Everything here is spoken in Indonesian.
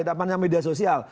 tidak pernah media sosial